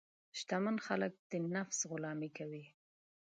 شتمن خلک د نفس غلامي نه کوي.